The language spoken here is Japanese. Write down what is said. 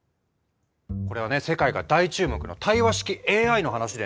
これは世界が大注目の対話式ＡＩの話でね。